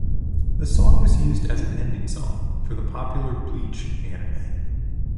The song was used as an ending song for the popular "Bleach" anime.